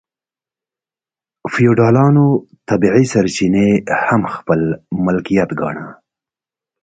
فیوډالانو طبیعي سرچینې هم خپل ملکیت ګاڼه.